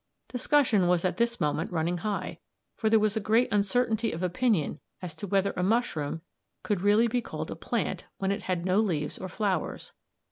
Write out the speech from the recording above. Discussion was at this moment running high, for there was a great uncertainty of opinion as to whether a mushroom could be really called a plant when it had no leaves or flowers.